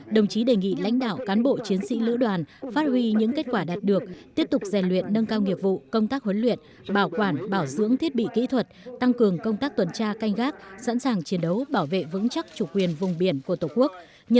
đồng chí đề nghị lãnh đạo cán bộ chiến sĩ lữ đoàn phát huy những kết quả đạt được tiếp tục rèn luyện nâng cao nghiệp vụ công tác huấn luyện bảo quản bảo dưỡng thiết bị kỹ thuật tăng cường công tác tuần tra canh gác sẵn sàng chiến đấu bảo vệ vững chắc chủ quyền vùng biển của tổ quốc